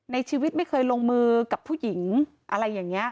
ในชีวิตไม่เคยลงมือกับผู้หญิงอะไรอย่างนี้